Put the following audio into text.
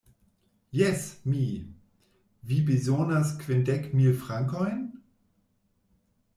Jes, mi! Vi bezonas kvindek mil frankojn?